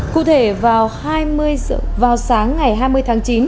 cụ thể vào sáng ngày hai mươi tháng chín